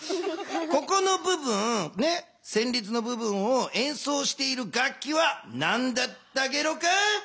ここの部分ねせんりつの部分をえんそうしている楽器はなんだったゲロか？